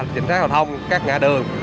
chỉnh sát giao thông các ngã đường